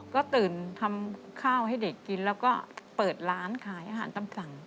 ก็ตื่นทำข้าวให้เด็กกินแล้วก็เปิดร้านขายอาหารตำสั่ง